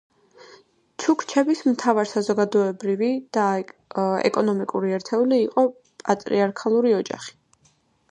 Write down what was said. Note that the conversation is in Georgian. ჩუქჩების მთავარ საზოგადოებრივი და ეკონომიკური ერთეული იყო პატრიარქალური ოჯახი.